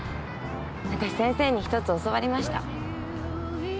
わたし先生に一つ教わりました。